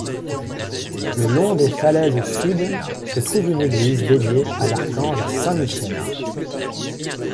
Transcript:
Le long des falaises sud se trouve une église dédiée à l'archange saint Michel.